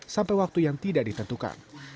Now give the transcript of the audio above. sampai waktu yang tidak ditentukan